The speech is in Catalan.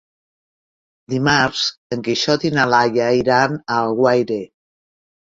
Dimarts en Quixot i na Laia iran a Alguaire.